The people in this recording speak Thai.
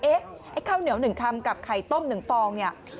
ไอ้ข้าวเหนียว๑คำกับไข่ต้ม๑ฟองเนี่ย